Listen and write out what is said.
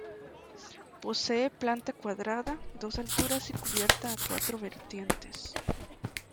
Posee planta cuadrada, dos alturas y cubierta a cuatro vertientes.